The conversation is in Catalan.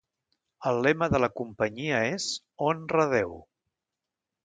El lema de la companyia és "Honra a Déu".